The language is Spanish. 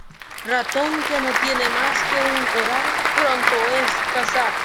Ratón que no tiene más que un horado, pronto es cazado.